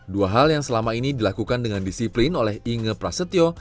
dua hal yang selama ini dilakukan dengan disiplin oleh inge prasetyo